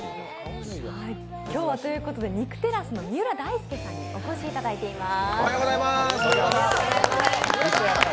今日は２９テラスの三浦大介さんにお越しいただいています。